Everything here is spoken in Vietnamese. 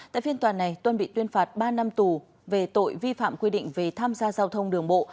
tại phiên tòa này tuân bị tuyên phạt ba năm tù về tội vi phạm quy định về tham gia giao thông đường bộ